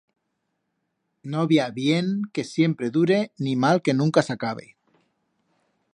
No bi ha bien que siempre dure ni mal que nunca s'acabe